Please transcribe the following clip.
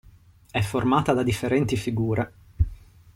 È formata da differenti figure.